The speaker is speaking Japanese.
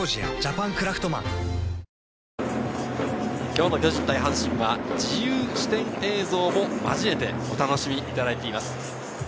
今日の巨人対阪神は自由視点映像も交えてお楽しみいただいています。